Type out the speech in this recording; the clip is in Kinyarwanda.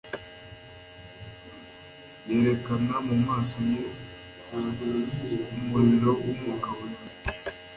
Yerekana mumaso ye umuriro wumwuka wera